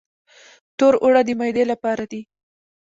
تور اوړه د معدې لپاره دي.